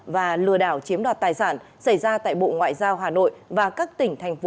và lừa đảo chiếm đoạt tài sản xảy ra tại bộ ngoại giao hà nội và các tỉnh thành phố